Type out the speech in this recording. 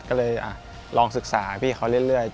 ก็เลยลองศึกษาพี่เขาเรื่อย